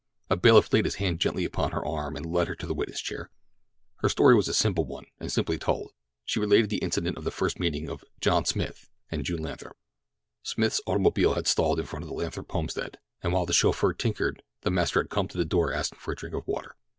A bailiff laid his hand gently upon her arm and led her to the witness chair. Her story was a simple one, and simply told. She related the incident of the first meeting of "John Smith" and June Lathrop. Smith's automobile had stalled in front of the Lathrop homestead, and while the chauffeur tinkered, the master had come to the door asking for a drink of water.